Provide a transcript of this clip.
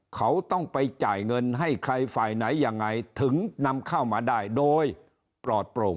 เขาต้องไปจ่ายเงินให้ใครฝ่ายไหนยังไงถึงนำเข้ามาได้โดยปลอดโปร่ง